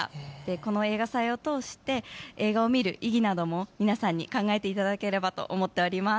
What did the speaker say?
この映画祭を通して映画を見る意義なども皆さんに考えていただければと思っております。